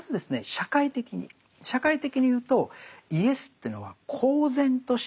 社会的に社会的に言うとイエスというのは公然として律法を破るわけです。